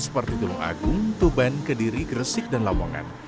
seperti tulung agung tuban kediri gresik dan lamongan